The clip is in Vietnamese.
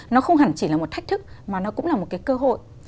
nó không hẳn chỉ là một thách thức mà nó cũng là một cái cơ hội